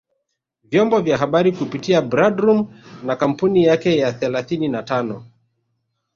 vyombo vya habari kupitia Bradroom na kampuni yake ya thelathini na tano